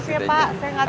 saya gak tahu tuh